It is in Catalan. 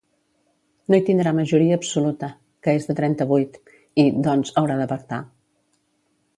No hi tindrà majoria absoluta, que és de trenta-vuit, i, doncs, haurà de pactar.